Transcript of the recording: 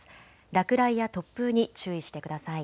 落雷や突風に注意してください。